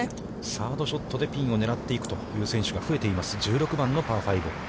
サードショットでピンを狙っていくという選手が増えています、１６番のパー５。